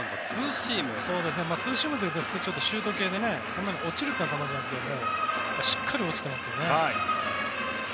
ツーシームというと普通、シュート系でそんなに落ちる球じゃないんですけどしっかり落ちてますよね。